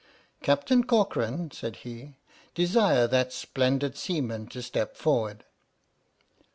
"Captain Corcoran," said he, "desire that splendid seaman to step forward."